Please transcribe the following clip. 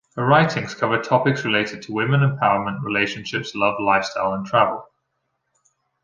Her writings cover topics related to women empowerment, relationships, love, lifestyle and travel.